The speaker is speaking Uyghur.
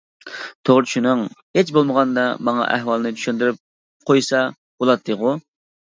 توغرا چۈشىنىڭ. -ھېچ بولمىغاندا ماڭا ئەھۋالنى چۈشەندۈرۈپ قويسا بۇلاتتىغۇ؟ !